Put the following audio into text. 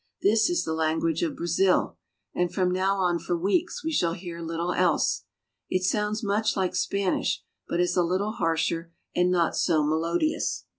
This is the language of Brazil, and from now on for weeks we shall hear little else. It sounds much like Spanish, but is a little harsher and not so melodious.